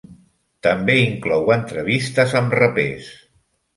També inclou entrevistes amb rapers.